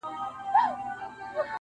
• په هوا تللې جوپې د شاهینانو -